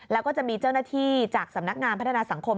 แล้วก็จะมีเจ้าหน้าที่จากสำนักงานพัฒนาสังคม